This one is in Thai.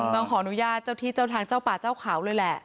ต้องขออนุญาตเจ้าที่เจ้าทางเจ้าป่าเจ้าเขาเลยแหละ